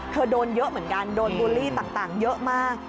โดนเยอะเหมือนกันโดนบูลลี่ต่างเยอะมาก